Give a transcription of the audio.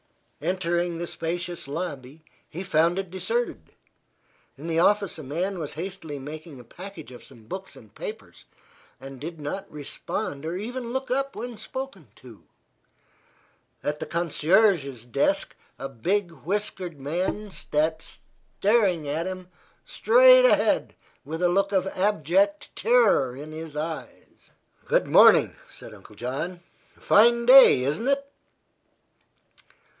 Entering the spacious lobby, he found it deserted. In the office a man was hastily making a package of some books and papers and did not respond or even look up when spoken to. At the concierge's desk a big, whiskered man sat staring straight ahead of him with a look of abject terror in his eyes. "Good morning," said Uncle John. "Fine day, isn't it?"